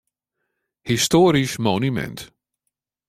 Histoarysk monumint.